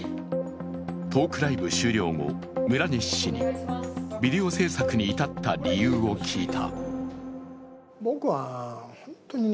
トークライブ終了後、村西氏にビデオ製作に至った理由を聞いた。